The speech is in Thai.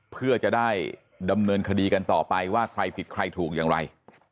เพื่อจะได้ดำเนินคดีกันต่อไปว่าใครผิดใครถูกอย่างไร